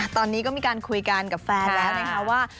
ตอนนี้เขาก็มีการคุยกันกับแฟนว่า